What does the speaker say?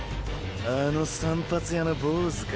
あの散髪屋の坊主か。